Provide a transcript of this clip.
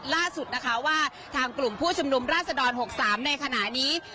ล่าสุดนะคะว่าทางกลุ่มผู้ชุมนุมราชดร๖๓ในขณะนี้